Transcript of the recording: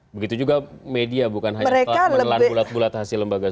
begitu juga media bukan hanya menelan bulat bulat hasil lembaga survei